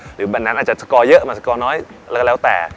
หรือวันนั้นอาจจะสกอเยอะหรือสกอน้อยแล้วแต่